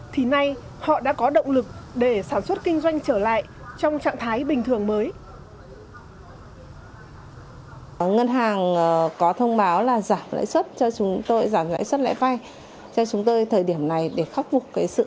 thì nay họ đã có động lực để sản xuất kinh doanh trở lại trong trạng thái bình thường mới